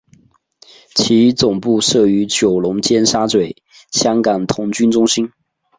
其总部设于九龙尖沙咀香港童军中心。